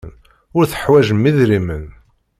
Ur teḥwajem idrimen.